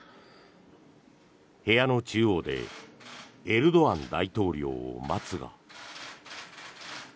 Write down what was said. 部屋の中央でエルドアン大統領を待つが。